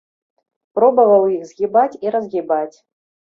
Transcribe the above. Пробаваў іх згібаць і разгібаць.